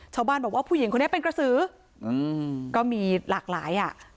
ชาวบ้านบอกว่าผู้หญิงคนนี้เป็นกระสืออืมก็มีหลากหลายอ่ะ